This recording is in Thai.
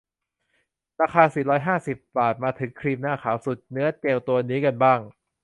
ราคา สี่ร้อยห้าสิบ บาท มาถึงครีมหน้าขาวสูตรเนื้อเจลตัวนี้กันบ้าง